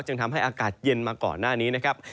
ทำให้อากาศเย็นมาก่อนหน้านี้นะครับ